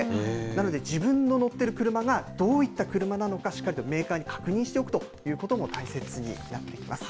なので自分の乗ってる車がどういった車なのか、しっかりとメーカーに確認しておくことも大切になってきます。